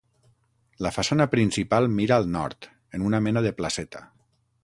La façana principal mira al nord, en una mena de placeta.